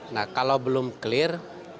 nah kalau belum clear